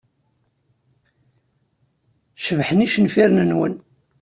Cebḥen yicenfiren-nwen.